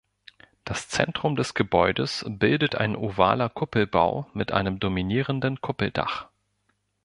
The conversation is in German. Das Zentrum des Gebäudes bildet ein ovaler Kuppelbau mit einem dominierenden Kuppeldach.